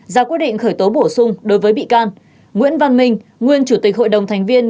ra quyết định khởi tố bổ sung đối với bị can nguyễn văn minh nguyên chủ tịch hội đồng thành viên